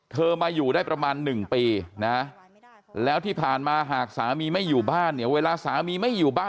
มาอยู่ได้ประมาณ๑ปีนะแล้วที่ผ่านมาหากสามีไม่อยู่บ้านเนี่ยเวลาสามีไม่อยู่บ้าน